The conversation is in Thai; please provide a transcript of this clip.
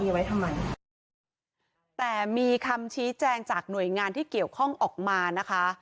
มีไว้ทำไมแต่มีคำชี้แจงจากหน่วยงานที่เกี่ยวข้องออกมานะคะ